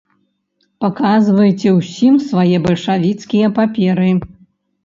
Паказвайце ўсім свае бальшавіцкія паперы.